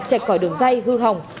chạy khỏi đường dây hư hỏng